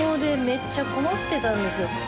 めっちゃ困ってたんですよ